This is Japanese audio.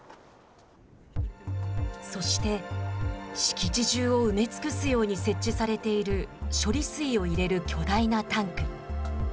そして、敷地中を埋め尽くすように設置されている、処理水を入れる巨大なタンク。